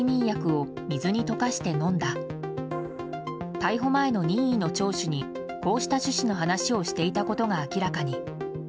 逮捕前の任意の聴取にこうした趣旨の話をしていたことが明らかに。